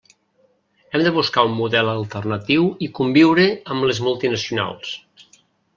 Hem de buscar un model alternatiu i conviure amb les multinacionals.